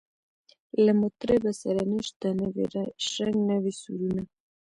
له مطربه سره نسته نوی شرنګ نوي سورونه